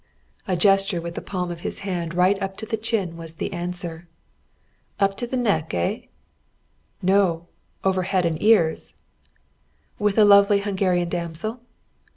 A gesture with the palm of his hand right up to the chin was the answer. "Up to the neck, eh?" "No, over head and ears." "With a lovely Hungarian damsel?"